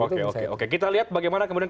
oke oke oke kita lihat bagaimana kemudian